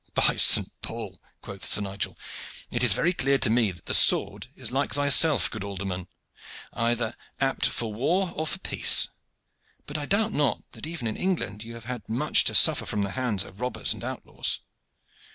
"By Saint Paul!" quoth Sir Nigel, "it is very clear to me that the sword is like thyself, good alderman, apt either for war or for peace. But I doubt not that even in England you have had much to suffer from the hands of robbers and outlaws."